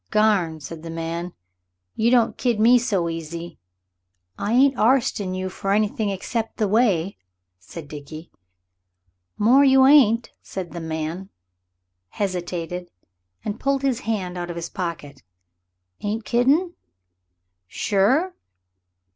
"Garn!" said the man; "you don't kid me so easy." "I ain't arstin' you for anything except the way," said Dickie. "More you ain't," said the man, hesitated, and pulled his hand out of his pocket. "Ain't kiddin'? Sure?